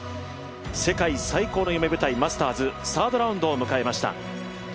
世界最高の夢舞台マスターズ、サードラウンドを迎えました。